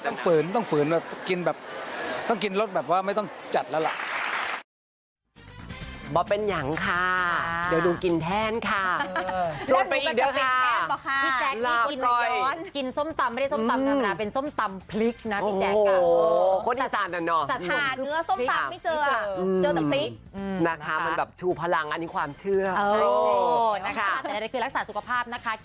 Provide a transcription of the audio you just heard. ฝืนต้องฝืนแบบกินแบบต้องกินรสแบบว่าไม่ต้องจัดแล้วล่ะ